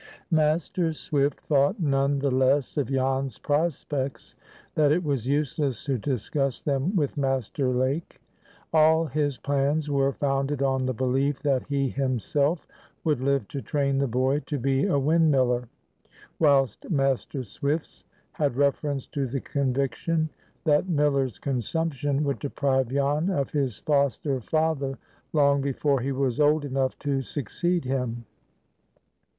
Master Swift thought none the less of Jan's prospects that it was useless to discuss them with Master Lake. All his plans were founded on the belief that he himself would live to train the boy to be a windmiller, whilst Master Swift's had reference to the conviction that "miller's consumption" would deprive Jan of his foster father long before he was old enough to succeed him.